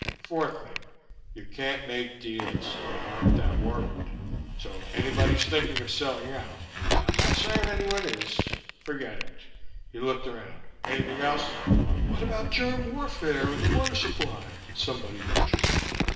Fourth thing. You can't make deals. They aren't that worried. So if anybody's thinking of selling out I'm not saying anyone is forget it." He looked around. "Anything else?" "What about germ warfare in the water supply?" somebody ventured.